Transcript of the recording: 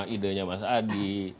idenya mas adi